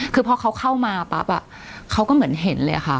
คือพอเขาเข้ามาปั๊บเขาก็เหมือนเห็นเลยค่ะ